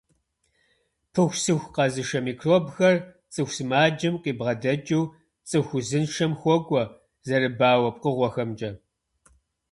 Пыхусыху къэзышэ микробхэр цӀыху сымаджэм къыбгъэдэкӀыу цӀыху узыншэм хуокӀуэ зэрыбауэ пкъыгъуэхэмкӀэ.